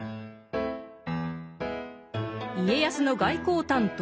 家康の外交担当